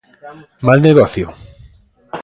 Mal negocio.